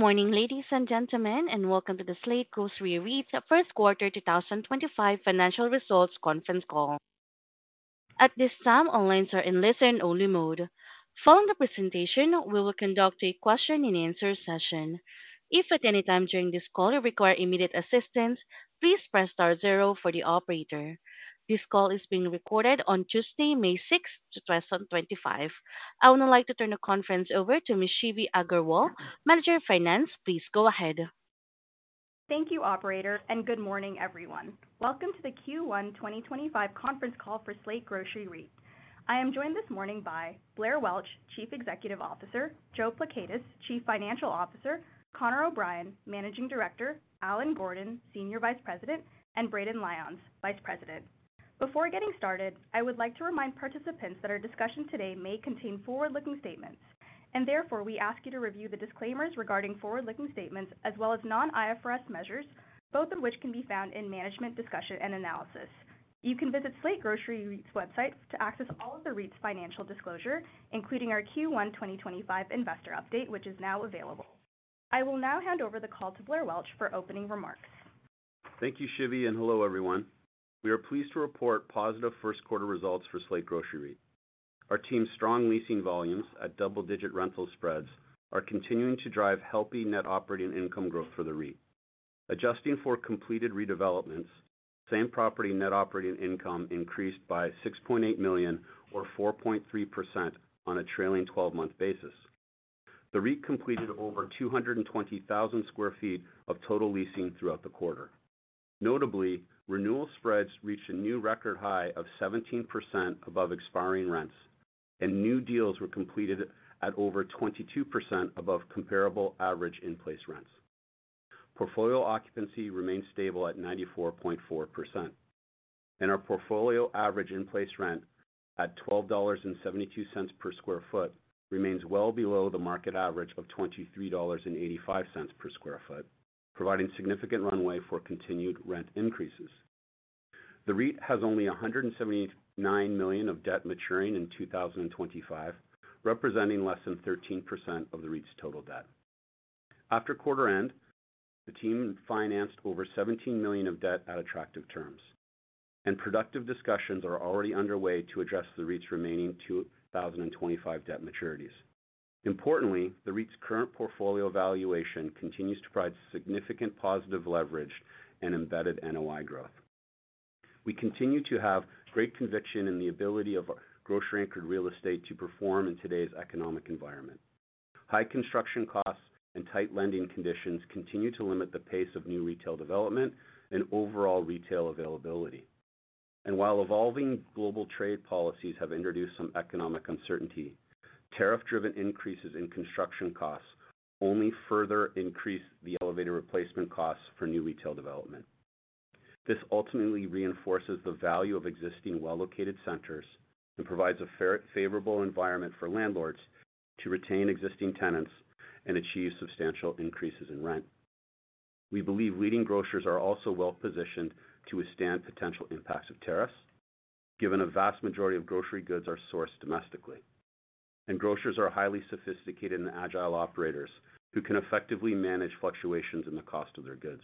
Good morning, ladies and gentlemen, and welcome to the Slate Grocery REIT's First Quarter 2025 Financial Results Conference Call. At this time, lines are in listen-only mode. Following the presentation, we will conduct a question-and-answer session. If at any time during this call you require immediate assistance, please press star zero for the operator. This call is being recorded on Tuesday, May 6th, 2025. I would now like to turn the conference over to Ms. Shivi Agarwal, Manager of Finance. Please go ahead. Thank you, Operator, and good morning, everyone. Welcome to the Q1 2025 Conference Call for Slate Grocery REIT. I am joined this morning by Blair Welch, Chief Executive Officer; Joe Pleckaitis, Chief Financial Officer; Connor O'Brien, Managing Director; Allen Gordon, Senior Vice President; and Braden Lyons, Vice President. Before getting started, I would like to remind participants that our discussion today may contain forward-looking statements, and therefore we ask you to review the disclaimers regarding forward-looking statements as well as non-IFRS measures, both of which can be found in Management, Discussion, and Analysis. You can visit Slate Grocery REIT's website to access all of the REIT's financial disclosure, including our Q1 2025 Investor Update, which is now available. I will now hand over the call to Blair Welch for opening remarks. Thank you, Shivi, and hello, everyone. We are pleased to report positive first-quarter results for Slate Grocery REIT. Our team's strong leasing volumes at double-digit rental spreads are continuing to drive healthy net operating income growth for the REIT. Adjusting for completed redevelopments, same property net operating income increased by $6.8 million, or 4.3%, on a trailing 12-month basis. The REIT completed over 220,000 sq ft of total leasing throughout the quarter. Notably, renewal spreads reached a new record high of 17% above expiring rents, and new deals were completed at over 22% above comparable average in-place rents. Portfolio occupancy remains stable at 94.4%, and our portfolio average in-place rent at $12.72 per sq ft remains well below the market average of $23.85 per sq ft, providing significant runway for continued rent increases. The REIT has only $179 million of debt maturing in 2025, representing less than 13% of the REIT's total debt. After quarter-end, the team financed over $17 million of debt at attractive terms, and productive discussions are already underway to address the REIT's remaining 2025 debt maturities. Importantly, the REIT's current portfolio valuation continues to provide significant positive leverage and embedded NOI growth. We continue to have great conviction in the ability of grocery-anchored real estate to perform in today's economic environment. High construction costs and tight lending conditions continue to limit the pace of new retail development and overall retail availability. While evolving global trade policies have introduced some economic uncertainty, tariff-driven increases in construction costs only further increase the elevated replacement costs for new retail development. This ultimately reinforces the value of existing well-located centers and provides a favorable environment for landlords to retain existing tenants and achieve substantial increases in rent. We believe leading grocers are also well-positioned to withstand potential impacts of tariffs, given a vast majority of grocery goods are sourced domestically. Grocers are highly sophisticated and agile operators who can effectively manage fluctuations in the cost of their goods.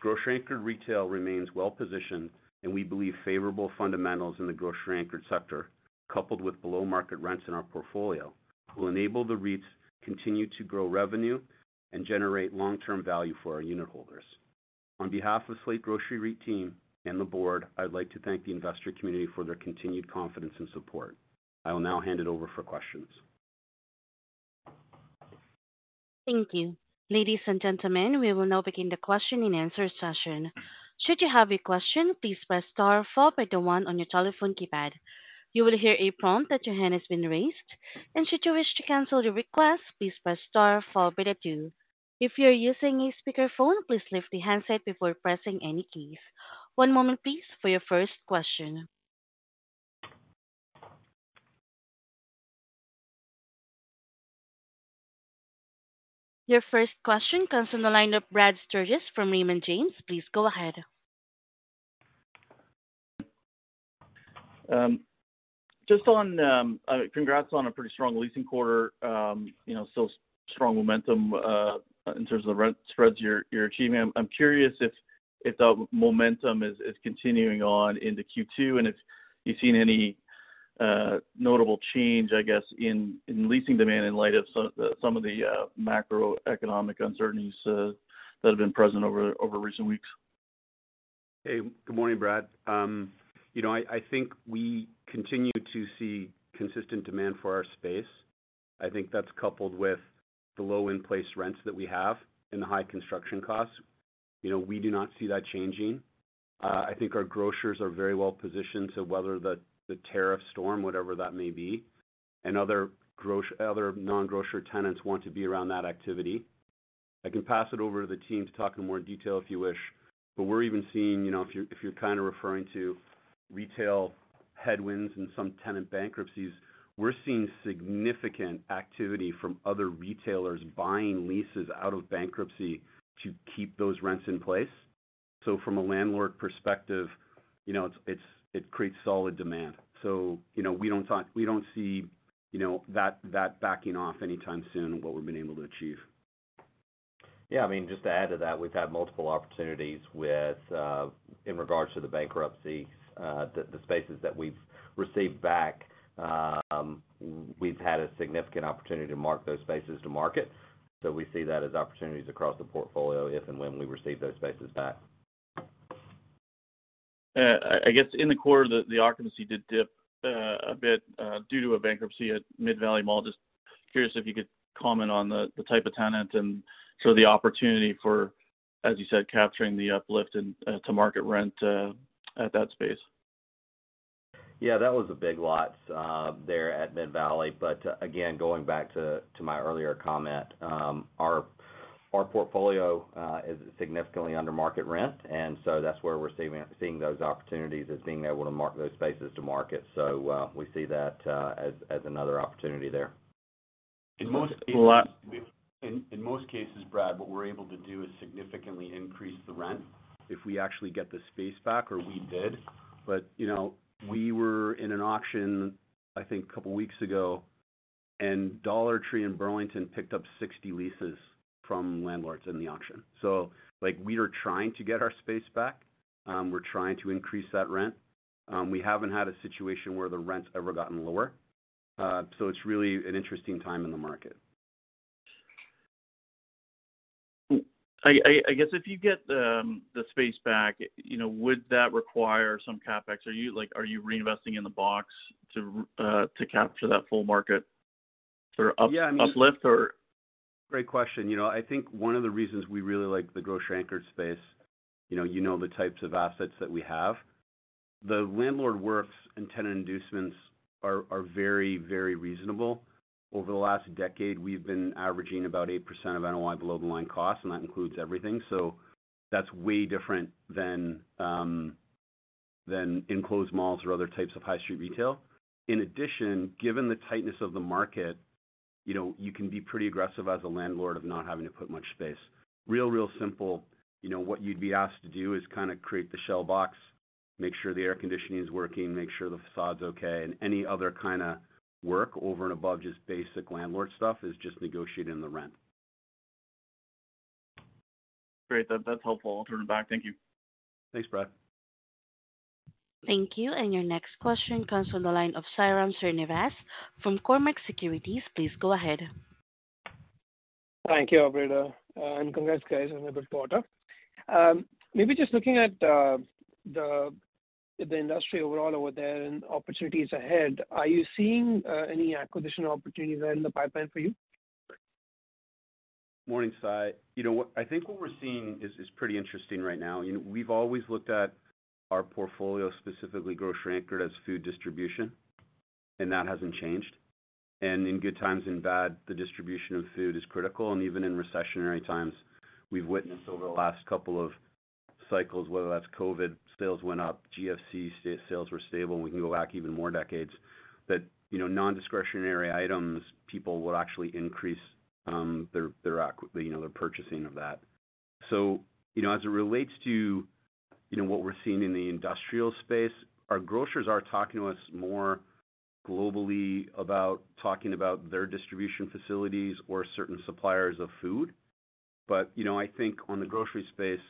Grocery-anchored retail remains well-positioned, and we believe favorable fundamentals in the grocery-anchored sector, coupled with below-market rents in our portfolio, will enable the REITs to continue to grow revenue and generate long-term value for our unit holders. On behalf of the Slate Grocery REIT team and the board, I'd like to thank the investor community for their continued confidence and support. I will now hand it over for questions. Thank you. Ladies and gentlemen, we will now begin the question-and-answer session. Should you have a question, please press star four or the one on your telephone keypad. You will hear a prompt that your hand has been raised. Should you wish to cancel the request, please press star four or the two. If you are using a speakerphone, please lift the handset before pressing any keys. One moment, please, for your first question. Your first question comes from the line of Brad Sturges from Raymond James. Please go ahead. Just on congrats on a pretty strong leasing quarter, you know, still strong momentum in terms of the rent spreads you're achieving. I'm curious if that momentum is continuing on into Q2 and if you've seen any notable change, I guess, in leasing demand in light of some of the macroeconomic uncertainties that have been present over recent weeks. Hey, good morning, Brad. You know, I think we continue to see consistent demand for our space. I think that's coupled with the low in-place rents that we have and the high construction costs. You know, we do not see that changing. I think our grocers are very well-positioned to weather the tariff storm, whatever that may be, and other non-grocery tenants want to be around that activity. I can pass it over to the team to talk in more detail if you wish, but we're even seeing, you know, if you're kind of referring to retail headwinds and some tenant bankruptcies, we're seeing significant activity from other retailers buying leases out of bankruptcy to keep those rents in place. From a landlord perspective, you know, it creates solid demand. You know, we don't see, you know, that backing off anytime soon what we've been able to achieve. Yeah, I mean, just to add to that, we've had multiple opportunities with, in regards to the bankruptcies, the spaces that we've received back, we've had a significant opportunity to mark those spaces to market. We see that as opportunities across the portfolio if and when we receive those spaces back. I guess in the quarter, the occupancy did dip a bit due to a bankruptcy at Mid Valley Mall. Just curious if you could comment on the type of tenant and sort of the opportunity for, as you said, capturing the uplift and to market rent at that space. Yeah, that was a big lot there at Mid Valley. Again, going back to my earlier comment, our portfolio is significantly under market rent, and that's where we're seeing those opportunities as being able to mark those spaces to market. We see that as another opportunity there. In most cases, Brad, what we're able to do is significantly increase the rent if we actually get the space back, or we did. You know, we were in an auction, I think, a couple of weeks ago, and Dollar Tree and Burlington picked up 60 leases from landlords in the auction. Like, we are trying to get our space back. We're trying to increase that rent. We haven't had a situation where the rent's ever gotten lower. It's really an interesting time in the market. I guess if you get the space back, you know, would that require some CapEx? Are you reinvesting in the box to capture that full market sort of uplift or? Great question. You know, I think one of the reasons we really like the grocery-anchored space, you know, the types of assets that we have. The landlord works and tenant inducements are very, very reasonable. Over the last decade, we've been averaging about 8% of NOI below the line cost, and that includes everything. That's way different than enclosed malls or other types of high street retail. In addition, given the tightness of the market, you can be pretty aggressive as a landlord of not having to put much space. Real, real simple, what you'd be asked to do is kind of create the shell box, make sure the air conditioning is working, make sure the facade's okay, and any other kind of work over and above just basic landlord stuff is just negotiated in the rent. Great. That's helpful. I'll turn it back. Thank you. Thanks, Brad. Thank you. Your next question comes from the line of Sairam Srinivas from Cormark Securities. Please go ahead. Thank you, Alberta. Congrats, guys, on the quarter. Maybe just looking at the industry overall over there and opportunities ahead, are you seeing any acquisition opportunities there in the pipeline for you? Morning, Sai. You know, I think what we're seeing is pretty interesting right now. You know, we've always looked at our portfolio, specifically grocery-anchored, as food distribution, and that hasn't changed. In good times and bad, the distribution of food is critical. Even in recessionary times, we've witnessed over the last couple of cycles, whether that's COVID, sales went up, GFC sales were stable, and we can go back even more decades, that, you know, non-discretionary items, people will actually increase their, you know, their purchasing of that. As it relates to, you know, what we're seeing in the industrial space, our grocers are talking to us more globally about talking about their distribution facilities or certain suppliers of food. You know, I think on the grocery space,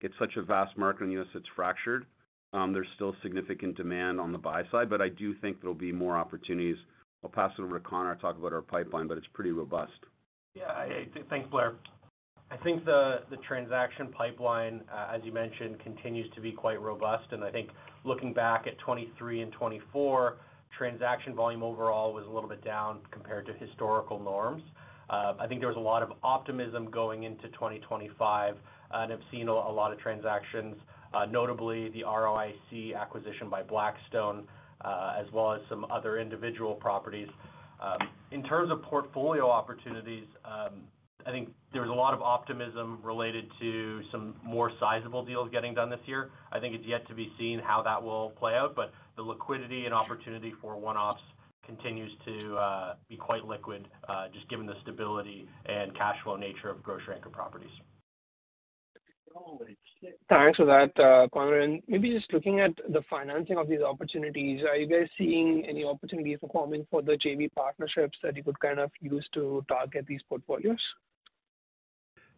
it's such a vast market in the U.S. it's fractured. There's still significant demand on the buy side, but I do think there'll be more opportunities. I'll pass it over to Connor. I'll talk about our pipeline, but it's pretty robust. Yeah, thanks, Blair. I think the transaction pipeline, as you mentioned, continues to be quite robust. I think looking back at 2023 and 2024, transaction volume overall was a little bit down compared to historical norms. I think there was a lot of optimism going into 2025, and I've seen a lot of transactions, notably the ROIC acquisition by Blackstone, as well as some other individual properties. In terms of portfolio opportunities, I think there was a lot of optimism related to some more sizable deals getting done this year. I think it's yet to be seen how that will play out, but the liquidity and opportunity for one-offs continues to be quite liquid, just given the stability and cash flow nature of grocery-anchored properties. Thanks for that, Connor. Maybe just looking at the financing of these opportunities, are you guys seeing any opportunity for forming further JV partnerships that you could kind of use to target these portfolios?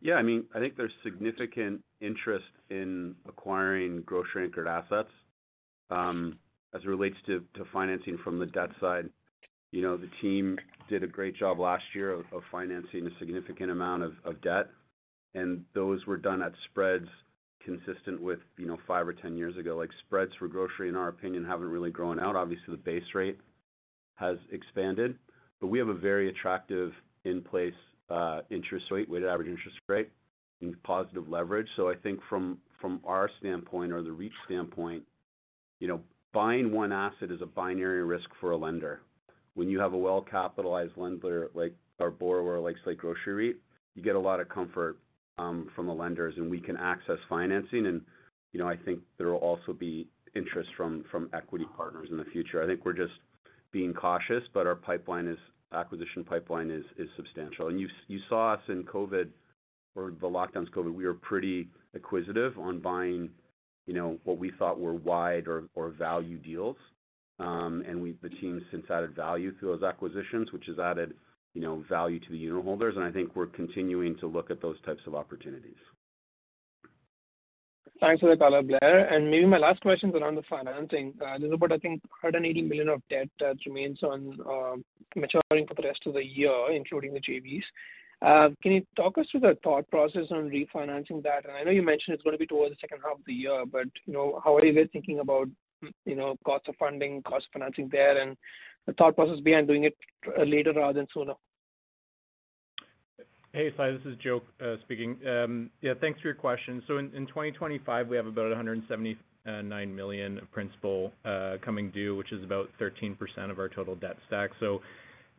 Yeah, I mean, I think there's significant interest in acquiring grocery-anchored assets as it relates to financing from the debt side. You know, the team did a great job last year of financing a significant amount of debt, and those were done at spreads consistent with, you know, five or ten years ago. Like, spreads for grocery, in our opinion, haven't really grown out. Obviously, the base rate has expanded, but we have a very attractive in-place interest rate, weighted average interest rate, and positive leverage. I think from our standpoint, or the REIT standpoint, you know, buying one asset is a binary risk for a lender. When you have a well-capitalized lender, like our borrower, like Slate Grocery REIT, you get a lot of comfort from the lenders, and we can access financing. You know, I think there will also be interest from equity partners in the future. I think we're just being cautious, but our acquisition pipeline is substantial. You saw us in COVID, or the lockdowns COVID, we were pretty acquisitive on buying, you know, what we thought were wide or value deals. The team's since added value through those acquisitions, which has added, you know, value to the unit holders. I think we're continuing to look at those types of opportunities. Thanks for the call, Blair. Maybe my last question is around the financing. A little bit, I think, $180 million of debt that remains on maturing for the rest of the year, including the JVs. Can you talk us through the thought process on refinancing that? I know you mentioned it's going to be towards the second half of the year, but, you know, how are you guys thinking about, you know, costs of funding, costs of financing there, and the thought process behind doing it later rather than sooner? Hey, Sai, this is Joe speaking. Yeah, thanks for your question. In 2025, we have about $179 million of principal coming due, which is about 13% of our total debt stack. You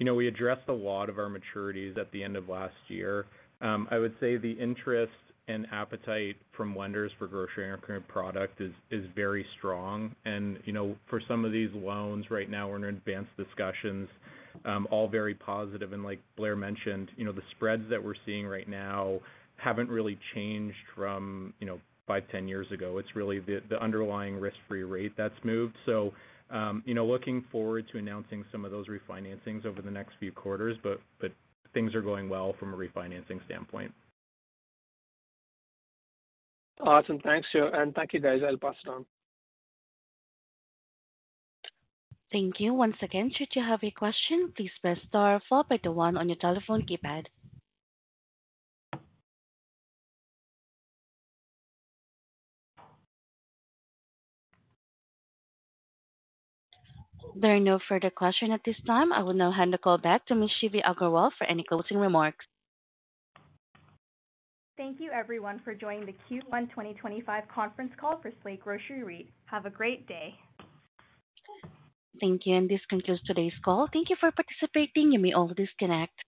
know, we addressed a lot of our maturities at the end of last year. I would say the interest and appetite from lenders for grocery-anchored product is very strong. You know, for some of these loans right now, we're in advanced discussions, all very positive. Like Blair mentioned, the spreads that we're seeing right now haven't really changed from, you know, five, ten years ago. It's really the underlying risk-free rate that's moved. You know, looking forward to announcing some of those refinancings over the next few quarters, but things are going well from a refinancing standpoint. Awesome. Thanks, Joe. Thank you, guys. I'll pass it on. Thank you. Once again, should you have a question, please press star four or the one on your telephone keypad. There are no further questions at this time. I will now hand the call back to Ms. Shivi Agarwal for any closing remarks. Thank you, everyone, for joining the Q1 2025 conference call for Slate Grocery REIT. Have a great day. Thank you. This concludes today's call. Thank you for participating. You may all disconnect.